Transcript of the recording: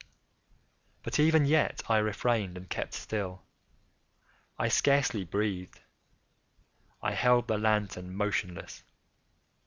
But even yet I refrained and kept still. I scarcely breathed. I held the lantern motionless.